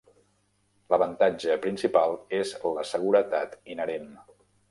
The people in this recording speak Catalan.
L'avantatge principal és la seguretat inherent.